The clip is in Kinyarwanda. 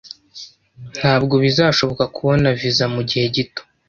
Ntabwo bizashoboka kubona viza mugihe gito.